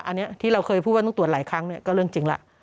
อันนี้ที่เราเคยพูดว่าต้องตรวจหลายครั้งก็เรื่องจริงแล้ว